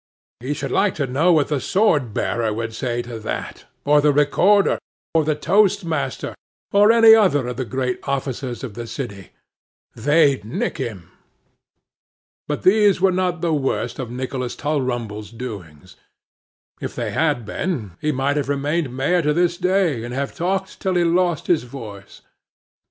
He should like to know what the sword bearer would say to that; or the recorder, or the toast master, or any other of the great officers of the city. They'd nick him. But these were not the worst of Nicholas Tulrumble's doings. If they had been, he might have remained a Mayor to this day, and have talked till he lost his voice.